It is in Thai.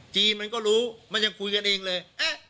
จีนมันก็รู้มันยังคุยกันเองเลย